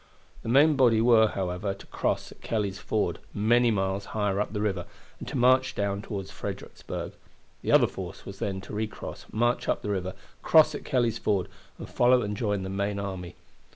The main body were, however, to cross at Kelley's Ford, many miles higher up the river, and to march down toward Fredericksburg. The other force was then to recross, march up the river, cross at Kelley's Ford, and follow and join the main army.